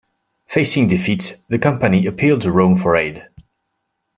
Facing defeat, the Campani appealed to Rome for aid.